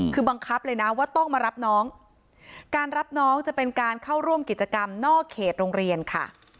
คือบังคับเลยนะว่าต้องมารับน้องการรับน้องจะเป็นการเข้าร่วมกิจกรรมนอกเขตโรงเรียนค่ะ